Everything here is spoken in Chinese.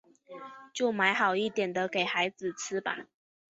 就买好一点的给孩子吃吧